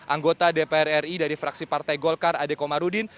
anggota dpr ri dari fraksi partai golkar adekomarudin